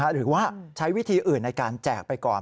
หรือว่าใช้วิธีอื่นในการแจกไปก่อน